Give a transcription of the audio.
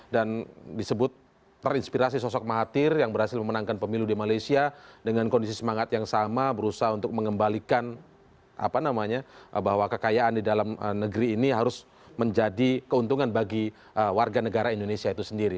dan disebut terinspirasi sosok mahathir yang berhasil memenangkan pemilu di malaysia dengan kondisi semangat yang sama berusaha untuk mengembalikan apa namanya bahwa kekayaan di dalam negeri ini harus menjadi keuntungan bagi warga negara indonesia itu sendiri